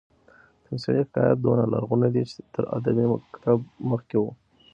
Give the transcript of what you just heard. تمثيلي حکایت دونه لرغونى دئ، چي تر ادبي مکتب مخکي وو.